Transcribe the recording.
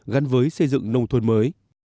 gắn với xây dựng nông thôn mới